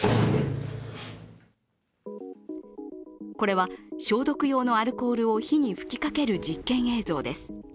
これは消毒用のアルコールを火に吹きかける実験映像です。